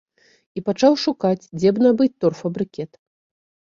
І пачаў шукаць, дзе б набыць торфабрыкет.